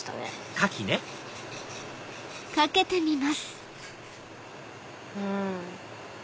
カキねうん。